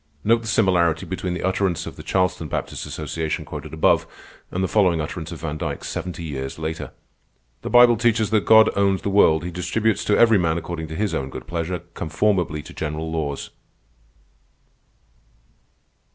Note the similarity between the utterance of the Charleston Baptist Association quoted above, and the following utterance of Van Dyke seventy years later: "_The Bible teaches that God owns the world. He distributes to every man according to His own good pleasure, conformably to general laws.